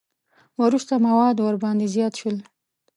وروسته مواد ورباندې زیات شول.